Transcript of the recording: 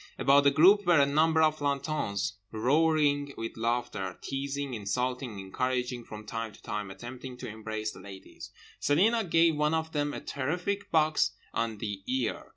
About the group were a number of plantons, roaring with laughter, teasing, insulting, encouraging, from time to time attempting to embrace the ladies. Celina gave one of them a terrific box on the ear.